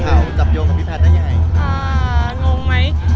อ่างงไหม